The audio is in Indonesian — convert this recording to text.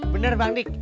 benar bang dik